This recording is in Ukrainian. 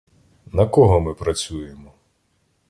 На кого ми працюємо?